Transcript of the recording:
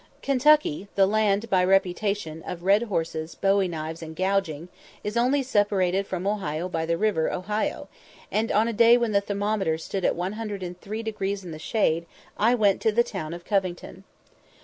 Kentucky, the land, by reputation, of "red horses, bowie knives, and gouging," is only separated from Ohio by the river Ohio; and on a day when the thermometer stood at 103° in the shade I went to the town of Covington.